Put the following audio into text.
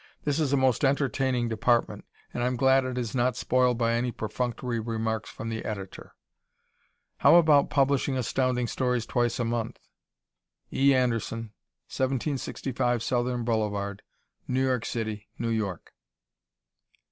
This is a most entertaining department, and I'm glad it is not spoiled by any perfunctory remarks from the editor. How about publishing Astounding Stories twice a month? E. Anderson, 1765 Southern Blvd., New York City, New York.